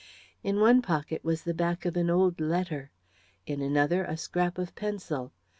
In one pocket was the back of an old letter, in another a scrap of pencil.